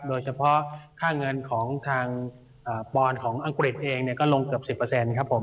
โดยเฉพาะค่าเงินของทางปอนด์ของอังกฤษเองก็ลงเกือบ๑๐ครับผม